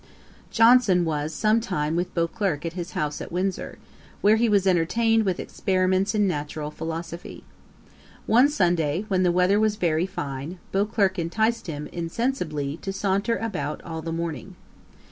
[Page 250: Johnson the Idle Apprentice. A.D. 1752.] Johnson was some time with Beauclerk at his house at Windsor, where he was entertained with experiments in natural philosophy. One Sunday, when the weather was very fine, Beauclerk enticed him, insensibly, to saunter about all the morning.